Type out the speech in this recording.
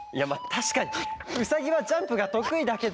たしかにウサギはジャンプがとくいだけど。